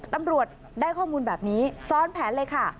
ตำรวจได้ข้อมูลแบบนี้ซ้อนแผนเลยค่ะ